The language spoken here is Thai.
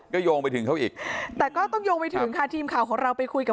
ก็โยงไปถึงเขาอีกแต่ก็ต้องโยงไปถึงค่ะทีมข่าวของเราไปคุยกับ